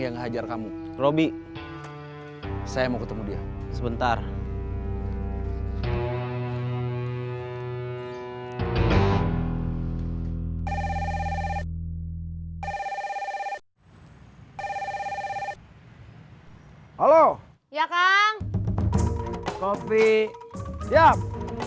yang hajar kamu robby saya mau ketemu dia sebentar halo halo ya kang kopi siap